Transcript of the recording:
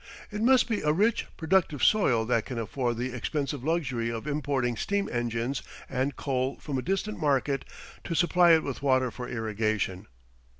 It must be a rich, productive soil that can afford the expensive luxury of importing steam engines and coal from a distant market to supply it with water for irrigation.